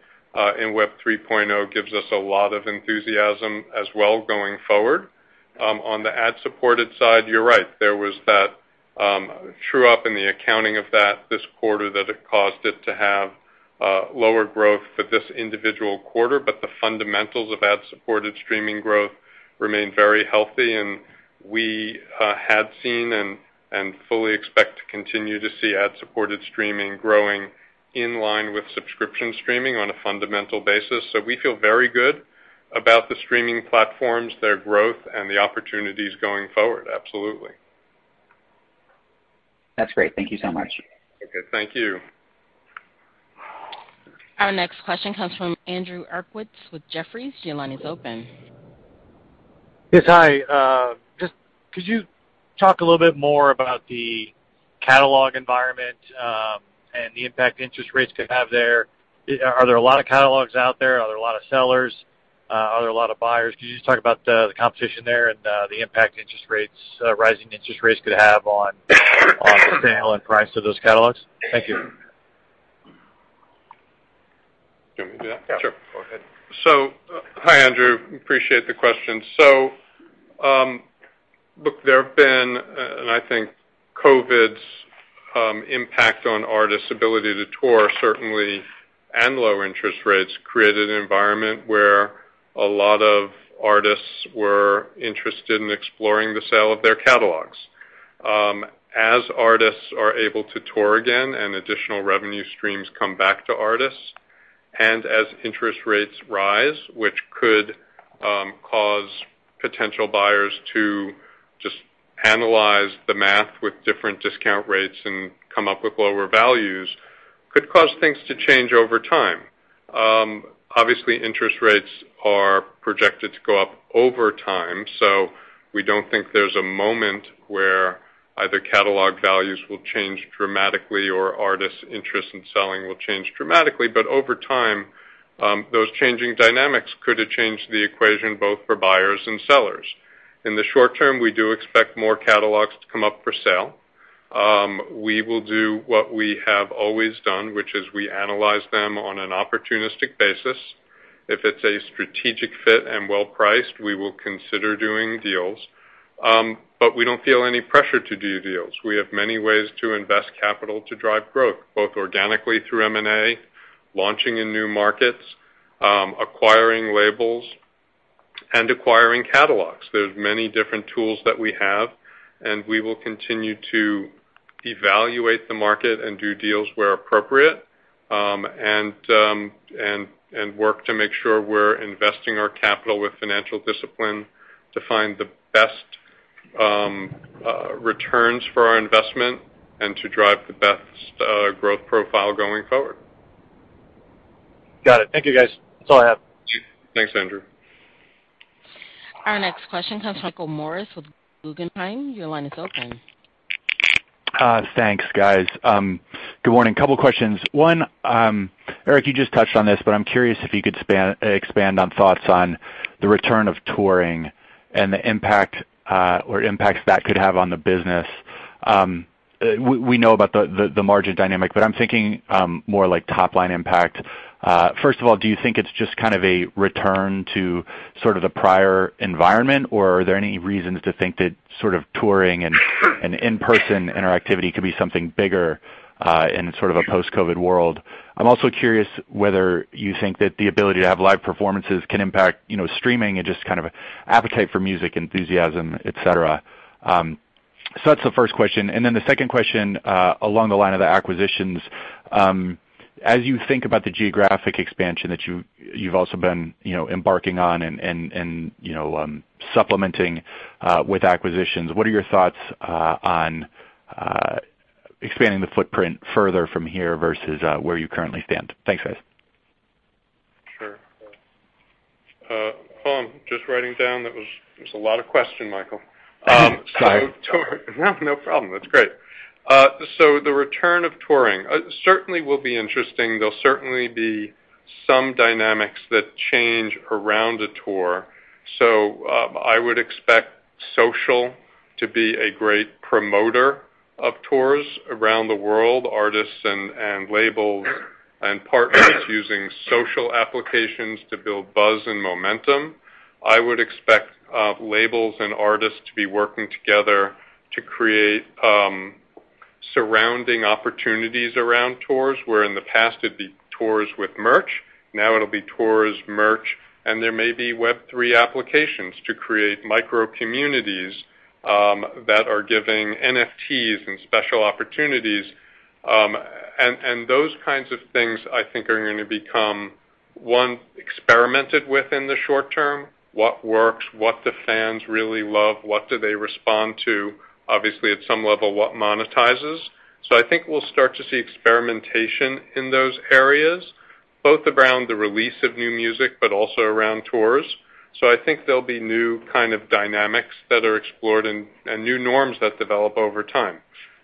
[SPEAKER 4] in Web3 gives us a lot of enthusiasm as well going forward. On the ad-supported side, you're right. There was that true up in the accounting of that this quarter that it caused it to have lower growth for this individual quarter. The fundamentals of ad-supported streaming growth remain very healthy, and we had seen and fully expect to continue to see ad-supported streaming growing in line with subscription streaming on a fundamental basis. We feel very good about the streaming platforms, their growth, and the opportunities going forward. Absolutely.
[SPEAKER 7] That's great. Thank you so much.
[SPEAKER 4] Okay, thank you.
[SPEAKER 1] Our next question comes from Andrew Uerkwitz with Jefferies. Your line is open.
[SPEAKER 8] Yes. Hi. Could you talk a little bit more about the catalog environment and the impact interest rates could have there? Are there a lot of catalogs out there? Are there a lot of sellers? Are there a lot of buyers? Could you just talk about the competition there and the impact interest rates, rising interest rates, could have on sale and price of those catalogs? Thank you.
[SPEAKER 4] Do you want me to do that?
[SPEAKER 3] Yeah. Sure. Go ahead.
[SPEAKER 4] Hi, Andrew. Appreciate the question. Look, there have been, and I think COVID's impact on artists' ability to tour certainly and low interest rates created an environment where a lot of artists were interested in exploring the sale of their catalogs. As artists are able to tour again and additional revenue streams come back to artists and as interest rates rise, which could cause potential buyers to just analyze the math with different discount rates and come up with lower values, could cause things to change over time. Obviously, interest rates are projected to go up over time, so we don't think there's a moment where either catalog values will change dramatically or artists' interest in selling will change dramatically. Over time, those changing dynamics could change the equation both for buyers and sellers. In the short term, we do expect more catalogs to come up for sale. We will do what we have always done, which is we analyze them on an opportunistic basis. If it's a strategic fit and well priced, we will consider doing deals. But we don't feel any pressure to do deals. We have many ways to invest capital to drive growth, both organically through M&A, launching in new markets, acquiring labels and acquiring catalogs. There's many different tools that we have, and we will continue to evaluate the market and do deals where appropriate, and work to make sure we're investing our capital with financial discipline to find the best returns for our investment and to drive the best growth profile going forward.
[SPEAKER 8] Got it. Thank you, guys. That's all I have.
[SPEAKER 4] Thanks, Andrew.
[SPEAKER 1] Our next question comes from Michael Morris with Guggenheim. Your line is open.
[SPEAKER 9] Thanks, guys. Good morning. A couple questions. One, Eric, you just touched on this, but I'm curious if you could expand on thoughts on the return of touring and the impact, or impacts that could have on the business. We know about the margin dynamic, but I'm thinking more like top-line impact. First of all, do you think it's just kind of a return to sort of the prior environment, or are there any reasons to think that sort of touring and in-person interactivity could be something bigger in sort of a post-COVID world? I'm also curious whether you think that the ability to have live performances can impact, you know, streaming and just kind of appetite for music enthusiasm, et cetera. That's the first question. The second question, along the lines of the acquisitions, as you think about the geographic expansion that you've also been, you know, embarking on and you know supplementing with acquisitions, what are your thoughts on expanding the footprint further from here versus where you currently stand? Thanks, guys.
[SPEAKER 4] Sure. Hold on. Just writing down. It was a lot of question, Michael.
[SPEAKER 9] Sorry.
[SPEAKER 4] No problem. That's great. So the return of touring certainly will be interesting. There'll certainly be some dynamics that change around a tour, so I would expect social to be a great promoter of tours around the world, artists and labels and partners using social applications to build buzz and momentum. I would expect labels and artists to be working together to create surrounding opportunities around tours, where in the past it'd be tours with merch, now it'll be tours, merch, and there may be Web3 applications to create micro-communities that are giving NFTs and special opportunities. And those kinds of things, I think, are gonna become one experimented with in the short term, what works, what the fans really love, what do they respond to, obviously at some level, what monetizes. I think we'll start to see experimentation in those areas, both around the release of new music, but also around tours. I think there'll be new kind of dynamics that are explored and new norms that develop over time.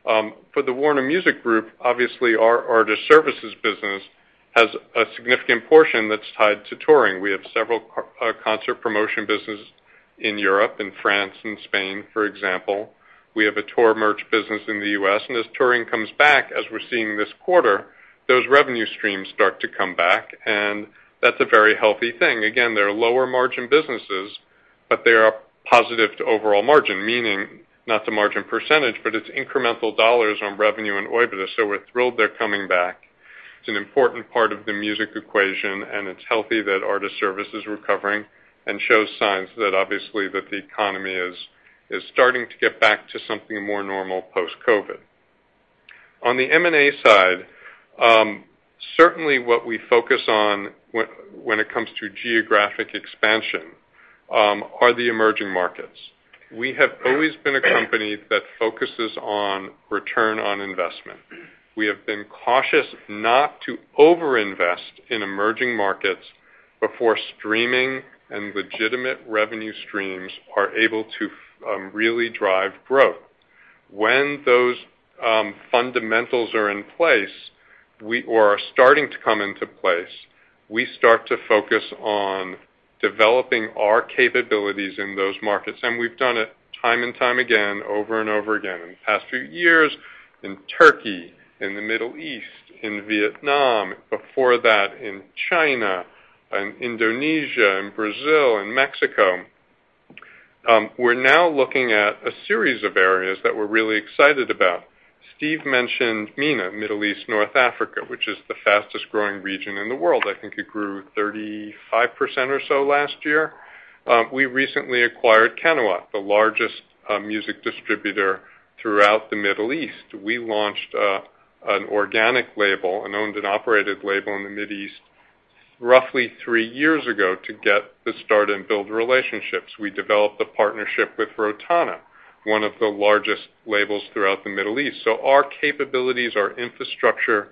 [SPEAKER 4] For the Warner Music Group, obviously our artist services business has a significant portion that's tied to touring. We have several concert promotion business in Europe, in France, in Spain, for example. We have a tour merch business in the US. As touring comes back, as we're seeing this quarter, those revenue streams start to come back, and that's a very healthy thing. Again, they're lower margin businesses, but they are positive to overall margin, meaning not the margin percentage, but it's incremental dollars on revenue and OIBDA. We're thrilled they're coming back. It's an important part of the music equation, and it's healthy that artist service is recovering and shows signs that obviously the economy is starting to get back to something more normal post-COVID. On the M&A side, certainly what we focus on when it comes to geographic expansion are the emerging markets. We have always been a company that focuses on return on investment. We have been cautious not to overinvest in emerging markets before streaming and legitimate revenue streams are able to really drive growth. When those fundamentals are in place or are starting to come into place, we start to focus on developing our capabilities in those markets. We've done it time and time again, over and over again in the past few years in Turkey, in the Middle East, in Vietnam, before that, in China, in Indonesia, in Brazil, in Mexico. We're now looking at a series of areas that we're really excited about. Steve mentioned MENA, Middle East, North Africa, which is the fastest-growing region in the world. I think it grew 35% or so last year. We recently acquired Qanawat, the largest music distributor throughout the Middle East. We launched an organic label, an owned and operated label in the Mid East roughly three years ago to get the start and build relationships. We developed a partnership with Rotana, one of the largest labels throughout the Middle East. Our capabilities, our infrastructure,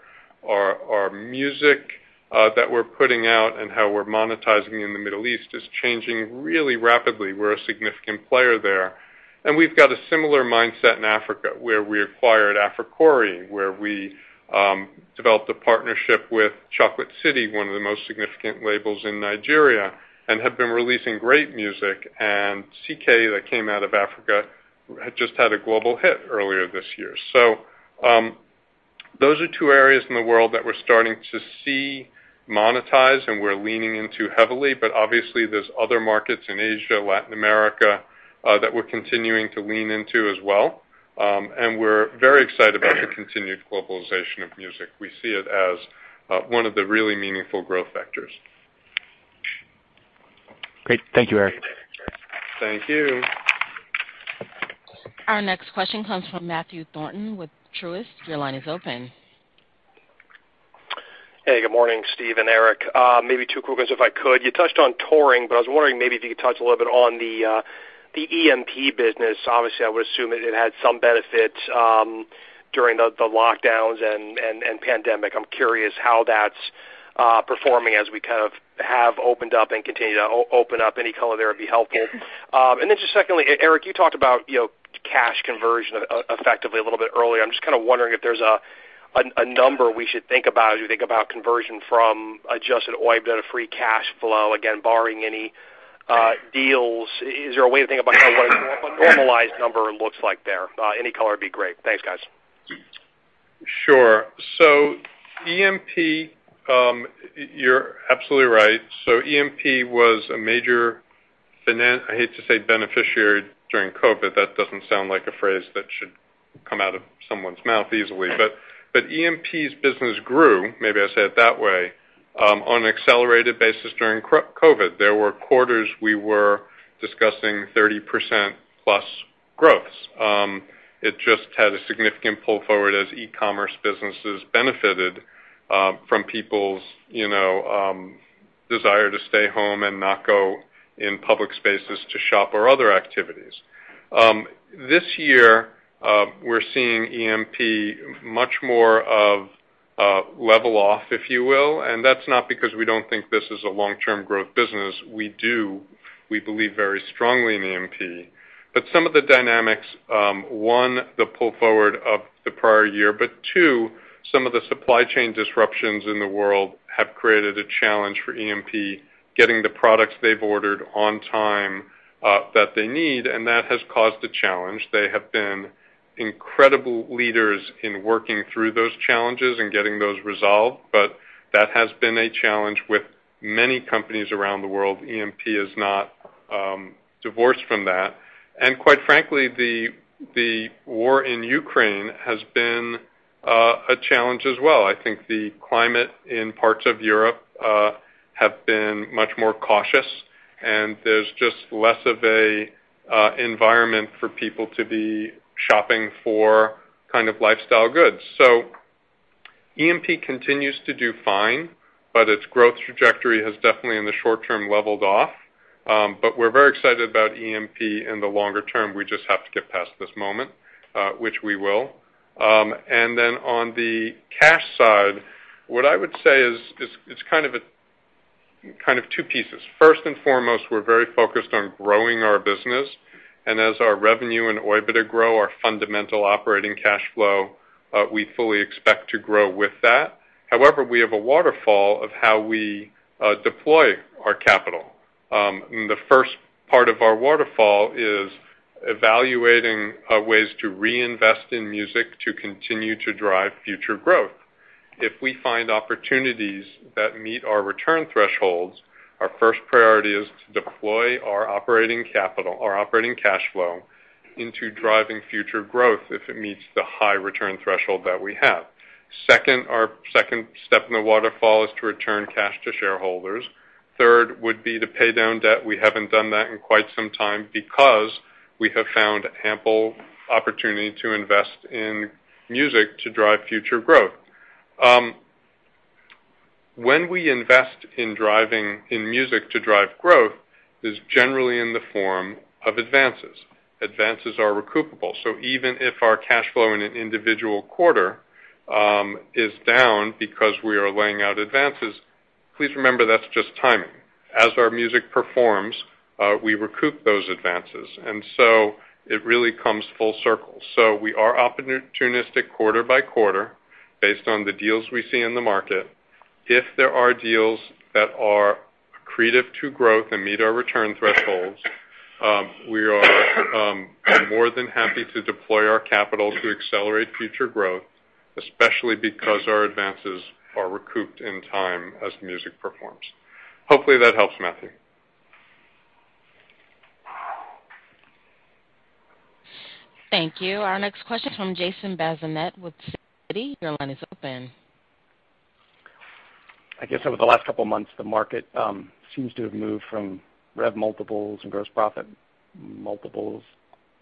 [SPEAKER 4] our music that we're putting out and how we're monetizing in the Middle East is changing really rapidly. We're a significant player there. We've got a similar mindset in Africa, where we acquired Africori, where we developed a partnership with Chocolate City, one of the most significant labels in Nigeria, and have been releasing great music. CKay, that came out of Africa, had just had a global hit earlier this year. Those are two areas in the world that we're starting to see monetize and we're leaning into heavily. Obviously, there's other markets in Asia, Latin America that we're continuing to lean into as well. We're very excited about the continued globalization of music. We see it as one of the really meaningful growth vectors.
[SPEAKER 9] Great. Thank you, Eric.
[SPEAKER 4] Thank you.
[SPEAKER 1] Our next question comes from Matthew Thornton with Truist. Your line is open.
[SPEAKER 10] Hey, good morning, Steve and Eric. Maybe two quick ones, if I could. You touched on touring, but I was wondering maybe if you could touch a little bit on the EMP business. Obviously, I would assume it had some benefits during the lockdowns and pandemic. I'm curious how that's performing as we kind of have opened up and continue to open up. Any color there would be helpful. And then just secondly, Eric, you talked about, you know, cash conversion effectively a little bit earlier. I'm just kinda wondering if there's a number we should think about as you think about conversion from adjusted OIBDA to free cash flow. Again, barring any deals, is there a way to think about how what a normalized number looks like there? Any color would be great. Thanks, guys.
[SPEAKER 4] Sure. You're absolutely right. EMP was a major beneficiary during COVID. That doesn't sound like a phrase that should come out of someone's mouth easily. EMP's business grew, maybe I say it that way, on an accelerated basis during COVID. There were quarters we were discussing 30%+ growth. It just had a significant pull forward as e-commerce businesses benefited from people's, you know, desire to stay home and not go in public spaces to shop or other activities. This year, we're seeing EMP much more of a level off, if you will, and that's not because we don't think this is a long-term growth business. We do. We believe very strongly in EMP. Some of the dynamics, one, the pull forward of the prior year, but two, some of the supply chain disruptions in the world have created a challenge for EMP getting the products they've ordered on time, that they need, and that has caused a challenge. They have been incredible leaders in working through those challenges and getting those resolved, but that has been a challenge with many companies around the world. EMP is not divorced from that. Quite frankly, the war in Ukraine has been a challenge as well. I think the climate in parts of Europe have been much more cautious, and there's just less of an environment for people to be shopping for kind of lifestyle goods. EMP continues to do fine, but its growth trajectory has definitely, in the short term, leveled off. We're very excited about EMP in the longer term. We just have to get past this moment, which we will. On the cash side, what I would say is it's kind of two pieces. First and foremost, we're very focused on growing our business. As our revenue and OIBDA grow, our fundamental operating cash flow, we fully expect to grow with that. However, we have a waterfall of how we deploy our capital. The first part of our waterfall is evaluating ways to reinvest in music to continue to drive future growth. If we find opportunities that meet our return thresholds, our first priority is to deploy our operating capital or operating cash flow into driving future growth if it meets the high return threshold that we have. Second, our second step in the waterfall is to return cash to shareholders. Third would be to pay down debt. We haven't done that in quite some time because we have found ample opportunity to invest in music to drive future growth. When we invest in music to drive growth, it is generally in the form of advances. Advances are recoupable. Even if our cash flow in an individual quarter is down because we are laying out advances, please remember that's just timing. As our music performs, we recoup those advances, and so it really comes full circle. We are opportunistic quarter by quarter based on the deals we see in the market. If there are deals that are accretive to growth and meet our return thresholds, we are more than happy to deploy our capital to accelerate future growth, especially because our advances are recouped in time as music performs. Hopefully, that helps, Matthew.
[SPEAKER 1] Thank you. Our next question is from Jason Bazinet with Citi. Your line is open.
[SPEAKER 11] I guess over the last couple of months, the market seems to have moved from rev multiples and gross profit multiples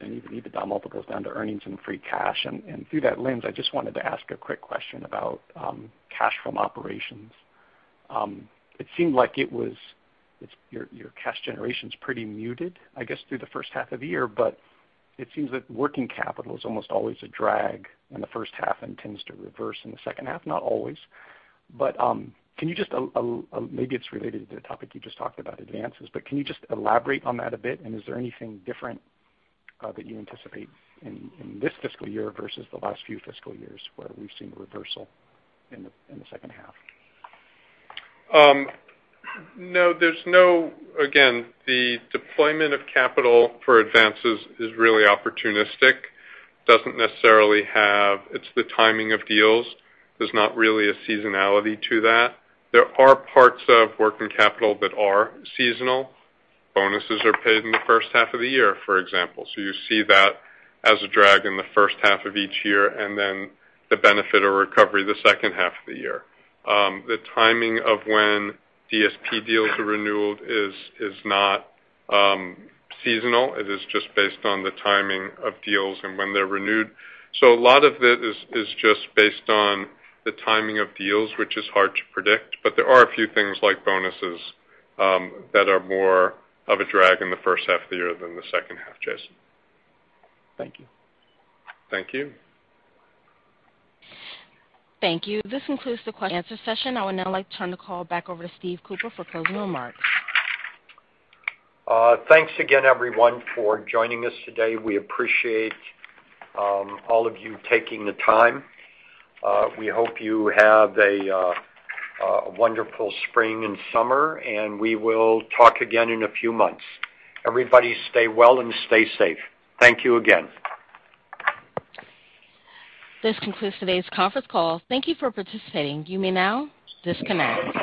[SPEAKER 11] and even EBITDA multiples down to earnings and free cash. Through that lens, I just wanted to ask a quick question about cash from operations. It seemed like it's your cash generation's pretty muted, I guess, through the first half of the year, but it seems that working capital is almost always a drag in the first half and tends to reverse in the second half. Not always, but can you just maybe it's related to the topic you just talked about, advances, but can you just elaborate on that a bit? Is there anything different that you anticipate in this fiscal year versus the last few fiscal years where we've seen a reversal in the second half?
[SPEAKER 4] No, there's no. Again, the deployment of capital for advances is really opportunistic. It's the timing of deals. There's not really a seasonality to that. There are parts of working capital that are seasonal. Bonuses are paid in the first half of the year, for example. You see that as a drag in the first half of each year and then the benefit or recovery the second half of the year. The timing of when DSP deals are renewed is not seasonal. It is just based on the timing of deals and when they're renewed. A lot of it is just based on the timing of deals, which is hard to predict. There are a few things like bonuses that are more of a drag in the first half of the year than the second half, Jason.
[SPEAKER 11] Thank you.
[SPEAKER 4] Thank you.
[SPEAKER 1] Thank you. This concludes the question and answer session. I would now like to turn the call back over to Steve Cooper for closing remarks.
[SPEAKER 3] Thanks again, everyone, for joining us today. We appreciate all of you taking the time. We hope you have a wonderful spring and summer, and we will talk again in a few months. Everybody stay well and stay safe. Thank you again.
[SPEAKER 1] This concludes today's conference call. Thank you for participating. You may now disconnect.